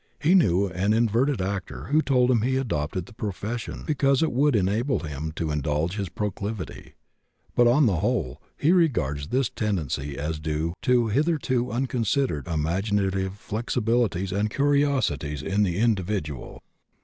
He knew an inverted actor who told him he adopted the profession because it would enable him to indulge his proclivity; but, on the whole, he regards this tendency as due to "hitherto unconsidered imaginative flexibilities and curiosities in the individual.